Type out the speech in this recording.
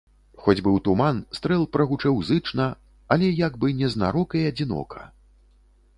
Хоць быў туман, стрэл прагучэў зычна, але як бы незнарок і адзінока.